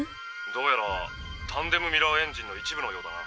どうやらタンデム・ミラーエンジンの一部のようだな。